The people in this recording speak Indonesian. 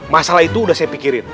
masalah itu udah saya pikirin